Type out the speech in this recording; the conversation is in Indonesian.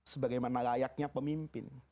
sebagai mana layaknya pemimpin